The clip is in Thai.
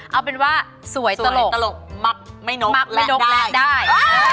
เอาเป็นว่าสวยตลกมักไม่นกและได้